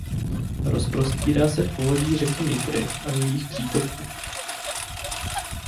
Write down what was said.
Rozprostírá se v povodí řeky Nitry a jejích přítoků.